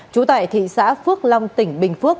chú tại thị xã phước long tỉnh bình phước